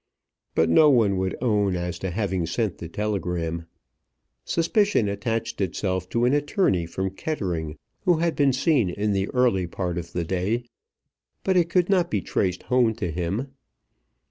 But no one would own as to having sent the telegram. Suspicion attached itself to an attorney from Kettering who had been seen in the early part of the day, but it could not be traced home to him.